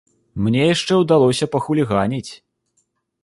Мне яшчэ ўдалося пахуліганіць!